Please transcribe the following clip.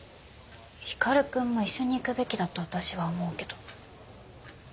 光くんも一緒に行くべきだと私は思うけど。